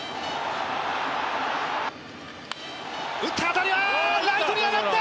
打った当たりはライトに上がった！